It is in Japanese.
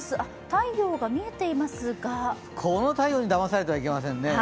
太陽が見えていますがこの太陽にだまされてはいけませんね。